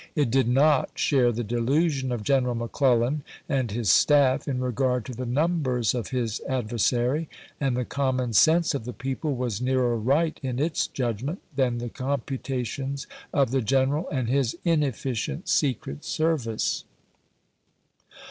It did not share the delusion of Greneral McClellan and his staff in regard to the numbers of his ad versary, and the common sense of the people was nearer right in its judgment than the computations of the general and his inefficient secret service.